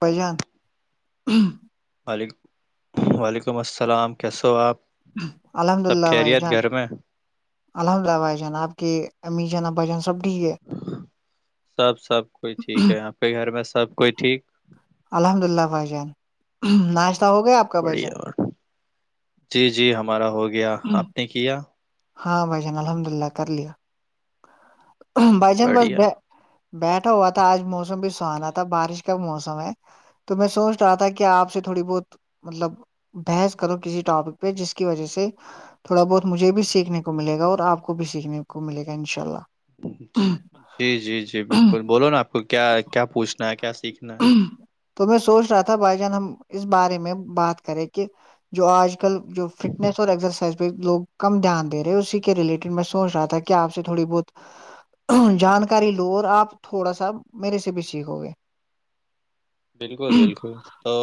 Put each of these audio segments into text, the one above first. پجان ولیکم وعلیکم السلام کیسو آپ الحمد سب اللہ بھائی خیریت جان گھر میں الحمد للہائی جناب کے امی جنا جان سب ٹھیک ہے سب سب کوئی ٹھیک ہے آپ کے گھر میں سب کوئی ٹھیک الحمد اللہ بھائی جان ناشتہ ہو گیا آپ کا بھائی بڑھیا جان اور جی جی ہمارا ہو گیا آپ نے کیا ہاں بھائی جان الحمد اللہ کر لیا بھائی جان بس بڑھیا بیٹھا ہوا تھا آج موسم بھی سہانا تھا بارش موسم ہے تو میں سوچ رہا تھا کہ آپ سے تھوڑی بہت مطلب بحث کرو کسی ٹاپک پہ جس کی وجہ سے تھوڑا بہت مجھے بھی سیکھنے کو ملے گا اور آپ کو بھی سیکھنے کو ملے گا ان شاء اللہ جی جی جی بالکل بولو نا آپ کو کیا کیا پوچھنا ہے کیا سیکھنا ہے تو میں سوچ رہا تھا بھائی جان ہم اس بارے میں بات کریں کہ جو آج کل جو فٹنیس اور ایکسرسائز پہ لوگ کم دھیان دے رہے اسی کے ریلیٹڈ میں سوچ رہا تھا کہ آپ سے تھوڑی بہت جانکاری لو اور آپ تھوڑا سا میرے سے بھی سیکھو گے بالکل بالکل تو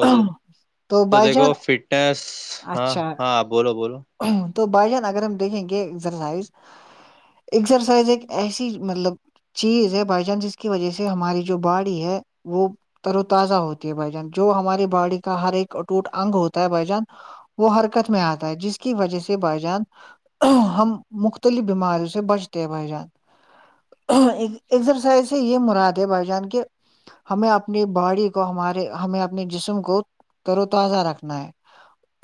تو بائی دیکھو جان فٹنیس ہاں اچھا ہاں بولو بولو تو با جان اگر ہم دیکھیں کہ اگزرسائز ایکسرسائز ایک ایسی مطلب چیز ہے بائی چانس اس کی وجہ سے ہماری جو باڈی ہے وہ تر و تازہ ہوتی ہے بھائی جان جو ہماری باڈی کا ہر ایک اٹوٹ انگ ہوتا ہے بھائی جان وہ حرکت میں آتا ہے جس کی وجہ سے بھائی جان ہم مختلف بیماریوں سے بچتے ہیں بھائی جان ایکسرسائز سے یہ مراد ہے بھائی جان کہ ہمیں اپنی باڈی کو ہمارے ہمیں اپنے جسم کو تر و تازہ رکھنا ہے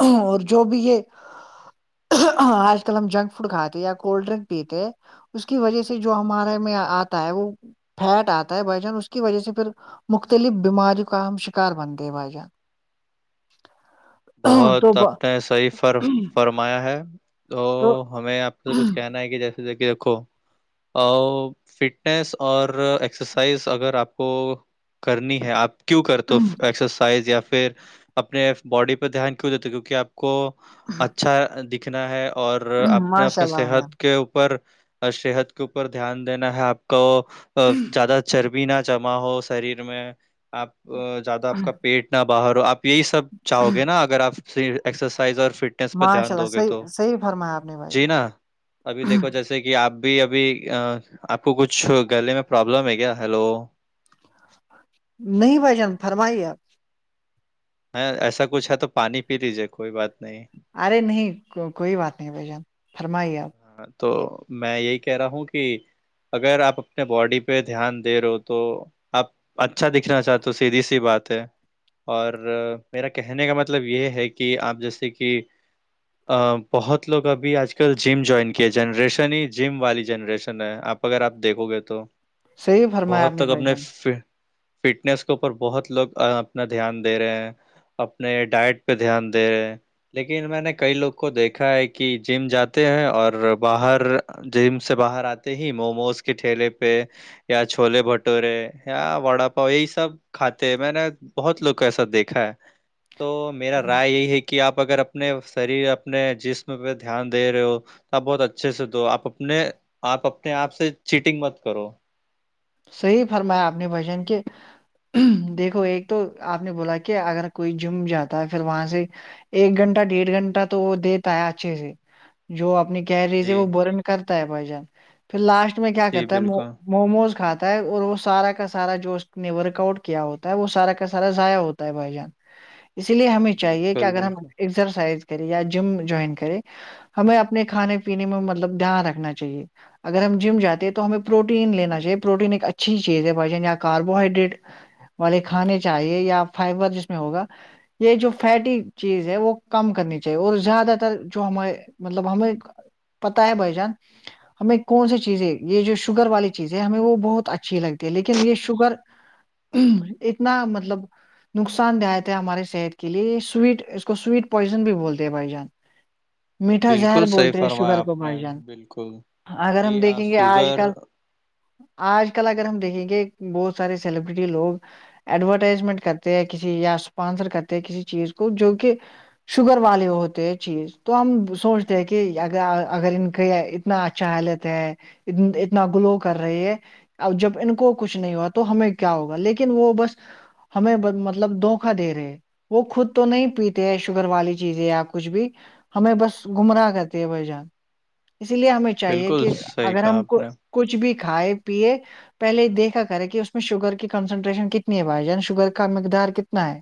اور جو بھی یہ آج کل ہم جنک فوڈ کاتے یا کولڈ ڈرنک پیتے اس کی وجہ سے جو ہمارے میں آتا ہے وہ فیٹ آتا ہے بائی جان اس کی وجہ سے پھر مختلف بیماریوں کا ہم شکار بنتےے بھائی جان بہت تو آ نے صحی فر فرمایا ہے تو ہمیں آپ سے تو کچھ کہنا ہے کہ جیسے جیے ریکھو او فٹنس اور ایکسرسائز اگر آپ کو کرنی ہے آپ کیوں کرتے ہو ایکسرسائز یا پھر اپنے باڈی پہ دھیان کیوں دیتے کیونکہ آپ کو اچھا دکھنا ہے اور اپنے ماشاء اپنے اللہ بھائی صحت کے اوپر صحت کے اوپر دھیان دینا ہے آپ کو جان۔ زیادہ چربی بھی نہ جمع ہو شریر میں آپ زیادہ آپ کا پیٹ نہ باہر ہو آپ یہی سب چاہو گے نا اگر آپ ایکسرسائز اور فٹ پہ ماشاء دھیان اللہ دو گے صحیح تو صحیح فرمایا آپ نے بھائی جی جان نا ابھی دیکھو جیسے جیسے کہ آپ بھی ابھی آپ کو کچھ گلے میں پرابلم ہے کیا ہیلو نہیں بھجن فرمائیے آپ ہ ایسا کچھ ہے تو پانی پی لیجیے کوئی بات نہیں ارے نہیں کوئی بات نہیں بھ جان فرمائیے آپ ہ تو میں یہی کہہ رہا ہوں کہ اگر آپ اپنے باڈی پہ دھیان دے رہے ہو تو آپ اچھا دکھنا چاہتے ہو سیدھی سی بات ہے اور میرا کہنے کا مطلب یہ ہے کہ آپ جیسے کہ ا بہت لوگ ابھی آج کل جم جوائن کیا جنریشن ہی جم والی جنریشن ہے آپ اگر آپ دیکھو گے تو صحیح فرمایا آپ بہت نے تک بھائی اپنے جان فٹنیس کے اوپر بہت لوگ اپنا دھیان دے رہے ہیں اپنے ڈائٹ پہ دھیان دے رہے لیکن میں نے کئی لوگ کو دیکھا ہے کہ جم جات ہیں اور باہر جم سے باہر آتے ہی موموز کے ٹھیلے پہ یا چھوولے بھٹورے یا وڑا پاؤ یہی سب کھاتے ہیں میں نے بہت لوگ کو ایسا دیکھا ہے تو میرا رائے یہی ہے کہ آپ اگر اپنے شریر اپنے جسم پہ دھیان د دے رہے ہو آپ بہت اچھے سے دو آپ اپنے آپ اپنے آپ سے چیٹنگ مت کرو صحیح فرمایا اپنے بجن کے دیکھو ایک تو آپ نے بولا کہ اگر کوئی جم جاتا ہے پھر وہاں سے ایک گھنٹہ ڈیڑھ گھنٹہ تو وہ دیتا ہے اچھے سے جو اپنی ریز ہے جی وہ برن کرتا ہے بھ جان پھر لاسٹ میں کیا جی کرتا ہے بالکل موموز کھاتا اور وہ سارا کا سارا جو اس نے ورک آؤٹ کیا ہوتا ہے وہ سارا کا سارا ضائع ہوتا ہے بھائی جان [inaudible] [inaudible] اسی لیے ہمیں چاہیے کہ بالکل اگر ہم بالکل ایکسرسائز کریں یا جم جوائن کرے ہمیں اپنے کھانے پینے میں مطلب دھیان رکھنا چاہیے اگر ہم جم جے ہیں تو ہمیں پروٹین لینا چاہیے پروٹین ایک اچھی چیز ہے وجہ یا کاربوہائیڈریٹ والے کھانے چاہیے یا فائبر جس میں ہوگا یہ جو فیٹی چیز ہے وہ کم کرنی چاہیے اور زیادہ تر جو ہمارے مطلب ہمیں [unintelligible] [unintelligible] پتا ہے بائی جان ہمیں کون سی چیزیں یہ جو شوگر والی چیزیں ہمیں وہ بہت اچھی لگتی ہے لیکن یہ شوگر اتنا مطلب نقصان دہایت ہے ہمارے صحت کے لیے سویٹ اس کو سویٹ پوائزن بھی بولتے ہیں بھائی جان میٹھا زہر بالکل صحیح بولتے ہیں فرمایا شوگر کا آپ نے برجن بالکل اگر ہم کہ دیکھیں گے آج سوگر کل آج کل اگر ہم دیکھیں گے بہت سارے سیلیبریٹی لوگ ایڈورٹائزمنٹ کرتے ہیں کسی یا اسپانسر کرتے کسی چیز کو جو کہ شوگر والے ہوتے چیز تو ہم سوچتے ہیں کہ اگر ان کے اتنا اچھا ہے لیتے ہیں اتنا گلو کر رہی ہے ا جب ان کو کچھ نہیں ہوا تو ہمیں کیا ہوگا لیکن وہ بس ہمیں مطلب دھوکا دے رہے وہ خود تو نہیں پیتے ہیں شوگر والی چیزیں یا کچھ بھی ہمیں بس گمراہ کرتی ہے بھائی جان اسی لیے ہمیں چاہیے بالکل کہ صحیح اگر کہا ہم آپ کو نے کچھ بھی کھائے پیے پہلے دیکھا کرے کہ اس میں شوگر کی کنسنٹریشن کتنی ہے بھائی جان شوگر کا مقدار کتنا ہے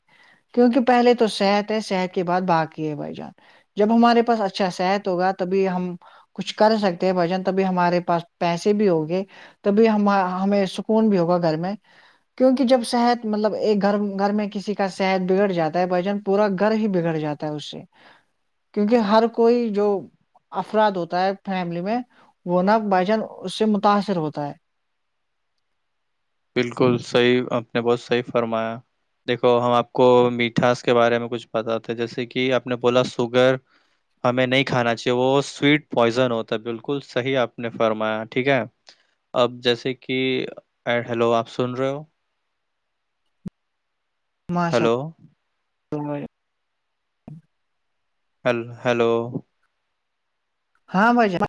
کیونکہ پہلے تو صحت ہے صحت کے بعد باقی ہے بھائی جان جب ہمارے پاس اچھا صحت ہوگا تبھی ہم کچھ کر سکتے ہیں بجن توب ہمارے پاس پیسے بھی ہوگے تب ہم ہمیں سکون بھی ہوگا گھر میں کیونکہ جب شحت مطلب ایک گھر گھر میں کسی کا شحت بگڑ جا ہے بھجن پورا گھر ہی بگڑ جاتا ہے اس سے کیونکہ ہر کوئی جو افراد ہوتا ہے فیملی میں وہ نہا بائی چانس اس سے متاثر ہوتا ہے بالکل صحیح ہمپ نے بہت صحیح فرمایا دیکھو ہم آپ کو میٹھاس کے بارے میں کچھ بتاتے جیسے کہ آپ نے بولا سوگر ہمیں نہیں کھانا چاہیے وہ سویٹ پوائزن ہوتا بالکل صحیح آپ نے فرمایا ٹھیک ہے اب جیسے کہ ہیلو آپ سن رہے ہو ماشاء ہیلو اللہ ہیل ہلو ہاں بھائیا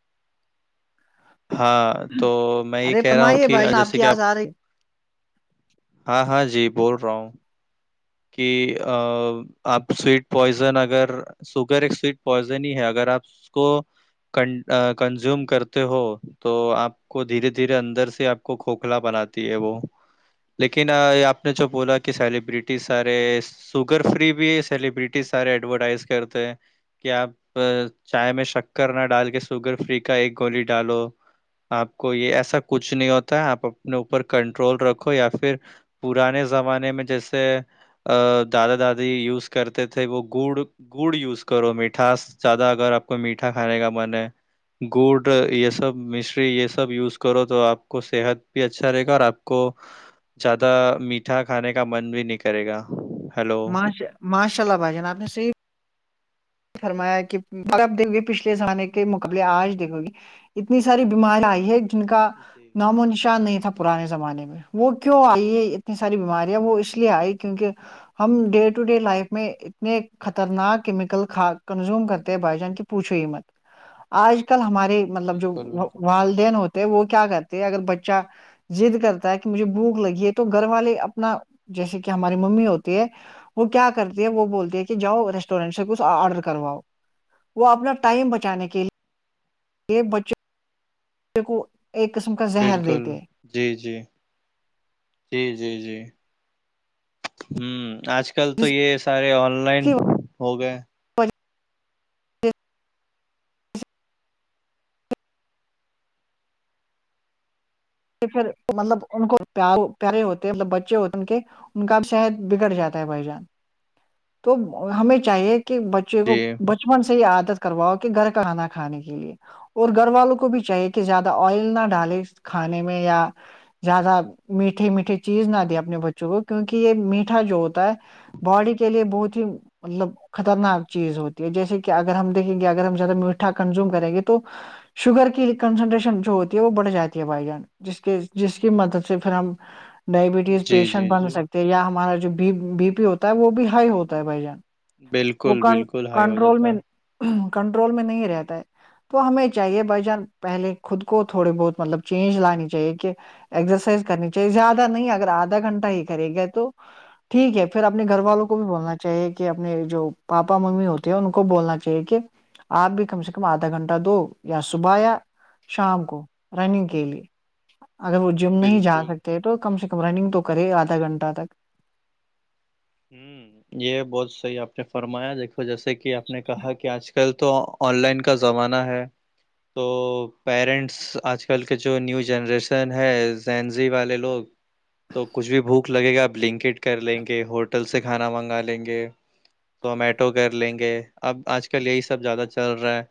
ہاں تو میں یہ ارے کہہ رہا ہوں فرمائیے کہ بھائی جان جیسے کی کہ آپ آواز آ رہی ہاں ہاں جی بول رہا ہوں کہ آپ سویٹ پوائزن اگر سوگر ایک سویٹ پوائزن ہی ہے اگر آپ اس کو کنزیوم کرتے ہو تو آپ کو دھیرے دھیرے اندر سے آپ کو کھوکھلا بناتی ہے وہ لیکن آپ نے جو بولا کہ سیلیبرٹی سارے سوگر فری بھی سیلیبرٹی سارے ایڈورٹائز کرتے ہیں کہ آپ چائے میں شکر نہ ڈال کے سوگر فری کا ایک گولی ڈالو آپ کو یہ ایسا کچھ نہیں ہوتا ہے آپ اپنے اوپر کنٹرول رکھو یا پھر پرانے زمانے میں جیسے ا دادا دادی یوز کرتے تھے وہ گڑ گڑ یوز کرو میٹھاس زیادہ اگر آپ کو میٹھا کھانے کا من ہے گڑ یہ سب مشری یہ سب یوز کرو تو آپ کو صحت بھی اچھا رہے گا اور آپ کو زیادہ میٹھا کھانے کا من بھی نہیں کرے گا ہیلو ماش ماشا اللہ بھجن آپ نے صی فرمایا کہ آب دو گے پچھلے زہان کے مقابلے آج دیکھو گی اتنی ساری بیماری آئی ہے جن کا جی نام و نشان نہیں تھا پرانے زمانے میں وہ کیوں آئی ہے اتنی ساری بیماریاں وہ اس لیے بالکل آئی کیونکہ ہم ڈے ٹو ڈے لائف میں اتنے خطرناک کیمیکل کنزوم کرتے ہیں بھائی جان کی پوچھو ہی مت آج کل ہمارے مطلب جو بالکل بالکل والدین ہوتے وہ کیا کرتے اگر بچہ د کرتا ہے کہ مجھے بھوک لگی ہے تو گھر والے اپنا جیسے کہ ہماری ممی ہوتی ہے وہ کیا کرتی ہے وہ بول ہے کہ جاؤ ریسٹورینٹ سے کچھ آرڈر کرواؤ وہ اپنا ٹائم بچانے کے لیے یہ بچے بے کو ایک قسم کا ذہن دیتے بالکل ہیں جی جی جی جی جی ہوں آج کل تو جس یہ سارے آن لائن کی ہو گئے جھ پھر مطلب ان کو پ پیارے ہوتے مطلب بچے ہوتے ہیں ان کے ان کا شحت بگڑ جاتا ہے بھائی جان تو ہمیں چاہیے کہ بچے کو جی بچپن سے ہی عادت کرواؤ کہ گھر کھانا کھانے کے لیے اور گھر والوں کو بھی چاہیے کہ زیادہ آئل نہ ڈالے کھانے میں یا زیادہ میٹھے میٹھے چیز نہ دیا اپنے بچوں کو کیونکہ یہ میٹھا جو ہوتا ہے باڈی کے لیے بہت ہی مطلب خطرناک چیز ہوتی ہے جیسے کہ اگر ہم دیکھیں گے اگر ہم زیادہ میٹھا کنزیوم کریں گے تو شوگر کی کنسنٹریشن جو ہوتی ہے وہ بھ جاتی ہے بھائی جان جس کے جس کی مدد سے پھر ہم ڈائبٹیز جی پیشنٹ جی بن جی سکتے تو یہیا ہمارا جو بی پی ہوتا ہے وہ بھی ہائی ہوتا ہے بھائی جان وہ بالکل بالکل ہائی ہو کنٹرول جاتا ہے مین کنٹرول میں نہیں رہتا ہے تو ہمیں چاہیے بھائی جان پہلے خود کو تھوڑے بہت مطلب چینج لانی چاہیے کہ ایکسرسائز کرنی چاہیے زیادہ نہیں اگر آدھا گھنٹہ ہی کرے گا تو ٹھیک ہے پھر اپنے گھر والوں کو بھی بولنا چاہیے کہ اپنے جو پاپا ممی ہوتے ہیں ان کو بولنا چاہیے کہ آپ بھی کم سے کم آدھا گھنٹہ دو یا صبح یا شام کو رننگ کے لیے اگر وہ جم نہیں جا بالکل سکتے تو کم سے کم رننگ تو کرے آدھا گھنٹہ تک ہوں یہ بہت صحیح آپ نے فرمایا دیکھو جیسے کہ آپ نے کہا کہ آج کل تو آن لائن کا زمانہ ہے تو پیرنٹس آج کل کے جو نیو جنریشن ہے زینزی والے لوگ تو کچھ بھی بھوک لگے گا آپ لنکڈ کر لیں گے ہوٹل سے کھانا منگا لیں گے زومیٹو کر لیں گے اب آج کل یہی سب زیادہ چل رہا ہے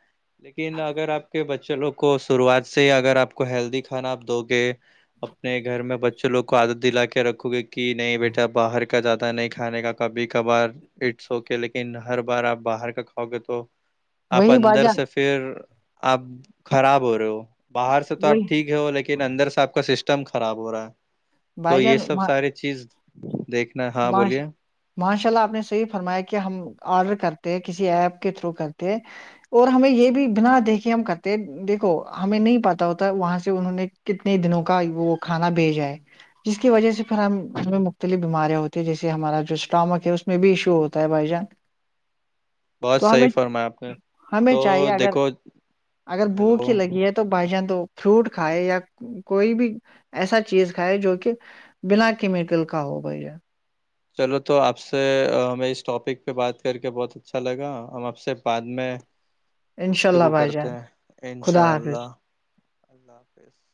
لیکن اگر آپ کے بچے لوگ کو شروعات سے اگر آپ کو ہیلدی کھانا آپ دو گے اپنے گھر میں بچوں لوگ کو عادت دلا کے رکھو گے کہ نہیں بیٹا باہر کا زیادہ نہیں کھانے کا کبھی کبھار اٹس ہوک لیکن ہر بار آپ باہر کا کھاؤ گے تو آپ وہی بائی اندر جان سے پھر آپ خراب ہو رہے ہو باہر سے تو آپ وہی ٹھیک ہے ہو لیکن اندر سے آپ کا سسٹم خراب ہو رہا ہے تو بائی یہ جان سب سارے چیز دیکھنا ہاں ماش بولیے ماشاء اللہ آپ نے صحیح فرمایا کہ ہم آرڈر کرتے کسی ایپ کے تھرو کرتے ہیں اور ہمیں یہ بھی بنا دیکھ کے ہم کرتے دیکھو ہمیں نہیں پہ ہوتا وہاں سے انہوں نے کتنے دنوں کا وہ کھانا بھیجائے جس کی وجہ سے پھر ہم گھر میں مختلف بیماریاں ہوتی تو جیسے ہمارا جو اسٹامک ہے اس میں بھی ایشو ہوتا ہے بھائی جان بہت تو ہمیں صحیح فرمایا آپ نے ہمیں تو چاہیے اگر دیکھو اگر ہیلو بھوک ہی لگی ہے تو تو بھائی جان تو فروٹ کھائے یا کوئی بھی ایسا چیز کھائے جو کہ بنا کیمیکل کا ہو بھائییا چلو تو آپ سے ہمیں اس ٹاپک پہ بات کر کے بہت ا اچھا لگا ہم اب سے بعد میں انشاء اللہ گفتگو بھائی کرتے جان ہیں خدا انشاء حافظ اللہ اللہ حافظ